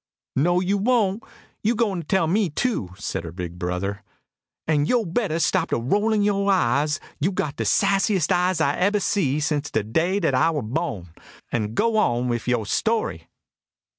"No yo' won't; yo' goin' to tell me too," said her big brother. "An' yo' better stop a rollin' yo' eyes yo' got de sassiest eyes I ebber see since de day dat I war bohn an' go on wiff yo' story."